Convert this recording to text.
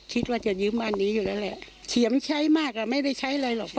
คิดว่าจะยืมอันนี้อยู่แล้วแหละเฉียมใช้มากอ่ะไม่ได้ใช้อะไรหรอก